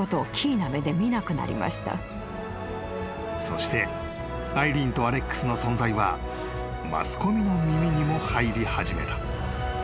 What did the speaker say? ［そしてアイリーンとアレックスの存在はマスコミの耳にも入り始めた］